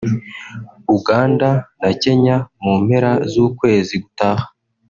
Uganda na Kenya mu mpera z’ukwezi gutaha